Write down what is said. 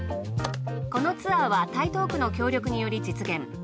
このツアーは台東区の協力により実現。